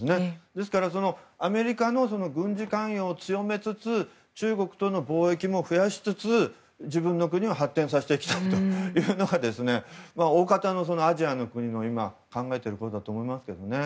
ですから、アメリカの軍事関与を強めつつ中国との貿易も増やしつつ自分の国を発展させていきたいというのが大方のアジアの国々の考えていることだと思いますけどね。